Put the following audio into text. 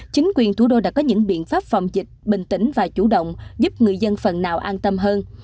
chính quyền thủ đô đã có những biện pháp phòng dịch bình tĩnh và chủ động giúp người dân phần nào an tâm hơn